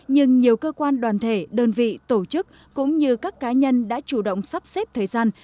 nhưng nhiều cơ quan đoàn thể đơn vị tổ chức cũng như các cá nhân đã chủ động sắp xếp thời gian